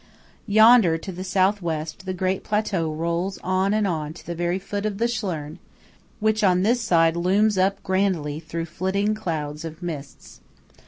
Yonder, to the South West, the great plateau rolls on and on to the very foot of the Schlern, which on this side looms up grandly through flitting clouds of mists.